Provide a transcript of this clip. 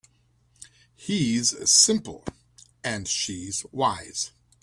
He's simple and she's wise.